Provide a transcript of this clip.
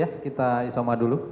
ya demikian dulu ya